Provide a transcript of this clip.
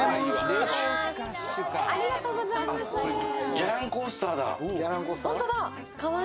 ギャランコースターだ。